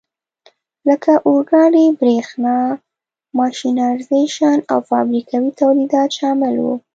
لکه اورګاډي، برېښنا، ماشینایزېشن او فابریکوي تولیدات شامل وو.